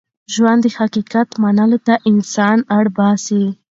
ژوند د حقیقت منلو ته انسان اړ باسي.